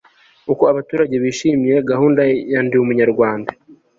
uko abaturage bishimiye gahunda ya ndi umunyarwanda